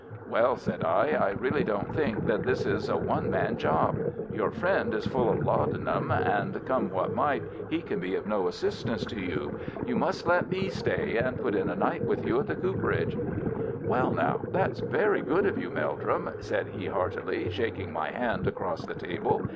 "Well," said I, "I really don't think that this is a one man job. Your friend is full of laudanum, and come what might he can be of no assistance to you. You must let me stay and put in a night with you at the cooperage." "Well, now, that's very good of you, Meldrum," said he heartily, shaking my hand across the table.